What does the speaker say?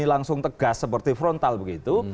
langsung tegas seperti frontal begitu